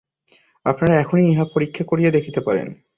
আপনারা এখনই ইহা পরীক্ষা করিয়া দেখিতে পারেন।